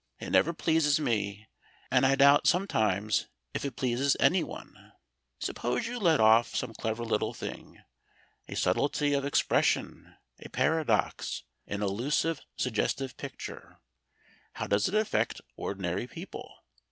It never pleases me, and I doubt sometimes if it pleases anyone. Suppose you let off some clever little thing, a subtlety of expression, a paradox, an allusive suggestive picture; how does it affect ordinary people?